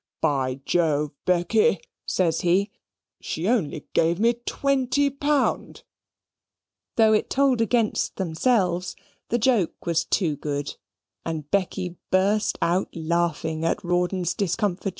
"By Jove, Becky," says he, "she's only given me twenty pound!" Though it told against themselves, the joke was too good, and Becky burst out laughing at Rawdon's discomfiture.